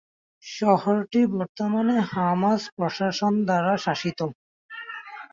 শহরটি বর্তমানে হামাস প্রশাসন দ্বারা শাসিত।